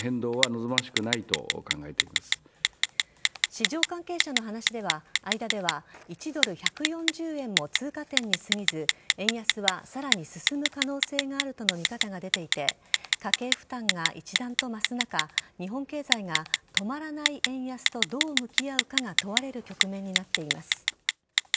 市場関係者の間では１ドル＝１４０円も通過点に過ぎず円安は更に進む可能性があるとの見方が出ていて家計負担が一段と増す中日本経済が止まらない円安とどう向き合うかが問われる局面になっています。